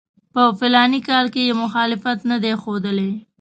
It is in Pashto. په فلاني کال کې یې مخالفت نه دی ښودلی.